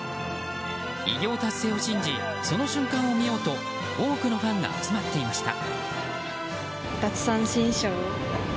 偉業達成を信じその瞬間を見ようと多くのファンが集まっていました。